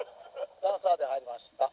「ダンサーで入りました」